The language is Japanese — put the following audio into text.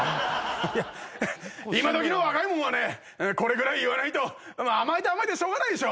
いや今どきの若いもんはねこれぐらい言わないと甘えて甘えてしょうがないでしょ。